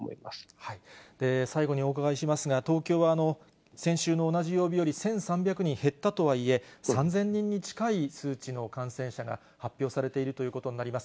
最後にお伺いしますが、東京は先週の同じ曜日より１３００人減ったとはいえ、３０００人に近い数値の感染者が発表されているということになります。